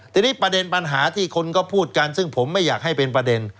ทีนี้ประเด็นปัญหาที่คนก็พูดกันซึ่งผมไม่อยากให้เป็นประเด็น